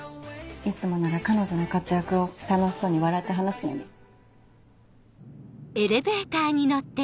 いつもなら彼女の活躍を楽しそうに笑って話すのに。